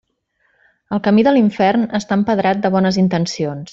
El camí de l'infern està empedrat de bones intencions.